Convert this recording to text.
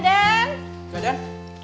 ada apa den